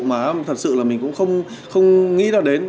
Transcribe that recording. mà thật sự là mình cũng không nghĩ là đến